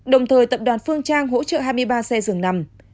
đồng thời tập đoàn phương trang hỗ trợ hai mươi ba xe dường nằm